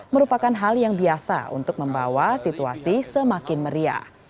merupakan hal yang biasa untuk membawa situasi semakin meriah